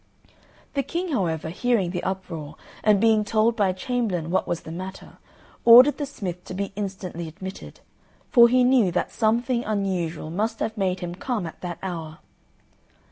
The King, however, hearing the uproar, and being told by a chamberlain what was the matter, ordered the smith to be instantly admitted, for he knew that something unusual must have made him come at that hour.